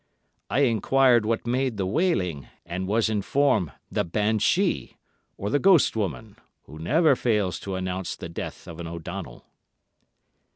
I enquired what made the wailing, and was informed 'the banshee,' or the ghost woman, who never fails to announce the death of an O'Donnell.